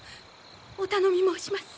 お頼み申します。